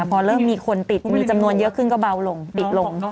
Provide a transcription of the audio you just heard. พอเริ่มมีคนติดมีจำนวนเยอะขึ้นก็เบาลงติดลง